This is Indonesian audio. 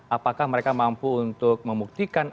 apakah mereka mampu untuk membuktikan